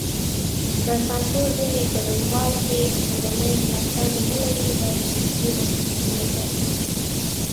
د کانکور ځینې ګډونوال چې کورنی ملاتړ نه لري باید نږدې پوهنتون وټاکي.